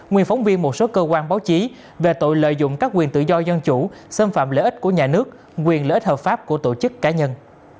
nguyên phóng viên một số cơ quan báo chí về tội lợi dụng các quyền tự do dân chủ xâm phạm lợi ích của nhà nước quyền lợi ích hợp pháp của tổ chức cá nhân